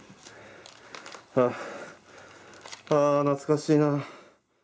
ああ懐かしいなぁ。